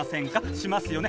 しますよね？